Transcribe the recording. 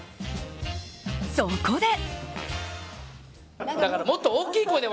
そこで。